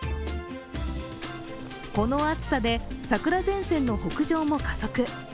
この暑さで桜前線の北上も加速。